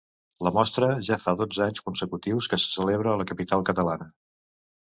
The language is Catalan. La mostra ja fa dotze anys consecutius que se celebra a la capital catalana.